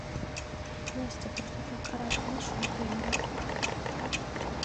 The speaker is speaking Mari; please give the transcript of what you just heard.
Настя, просто так аракам ит шолто, йӧра?